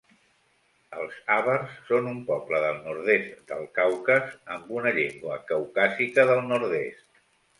Els àvars són un poble del nord-est del Caucas amb una llengua caucàsica del nord-est.